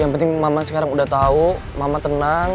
yang penting mama sekarang udah tahu mama tenang